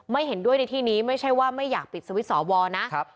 เห็นด้วยในที่นี้ไม่ใช่ว่าไม่อยากปิดสวิตชอวรนะ